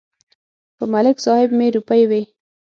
په ملک صاحب مې روپۍ وې.